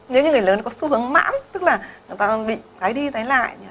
nếu như người lớn có xu hướng mãn tức là người ta bị thái đi thái lại